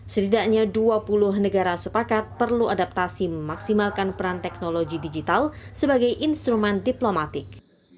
setidaknya dua puluh negara sepakat perlu adaptasi memaksimalkan peran teknologi digital sebagai instrumen diplomatik